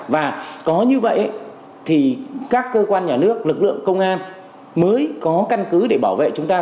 và có như vậy thì các cơ quan nhà nước lực lượng công an mới có căn cứ để bảo vệ chúng ta